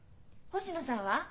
星野さんは？